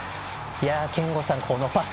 憲剛さん、このパス。